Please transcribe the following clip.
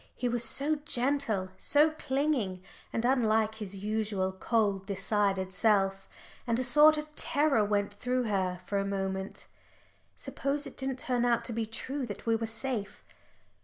He was so gentle, so clinging, and unlike his usual cold decided self. And a sort of terror went through her for a moment, "Suppose it didn't turn out to be true that we were safe."